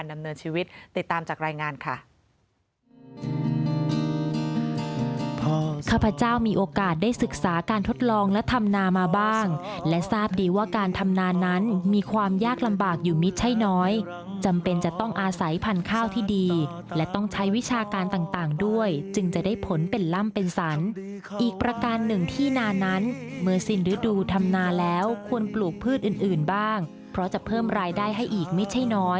ดำเนินชีวิตติดตามจากรายงานค่ะ